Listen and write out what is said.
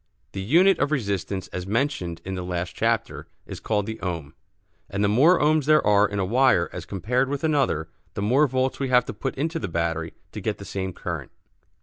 The unit of resistance, as mentioned in the last chapter, is called the ohm, and the more ohms there are in a wire as compared with another, the more volts we have to put into the battery to get the same current.